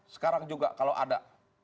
sekarang juga kalau ada